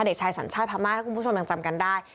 เด็กชายสัญชาติพม่าถ้าคุณผู้ชมยังจำกันได้